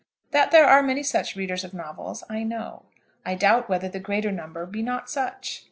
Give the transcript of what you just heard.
That there are many such readers of novels I know. I doubt whether the greater number be not such.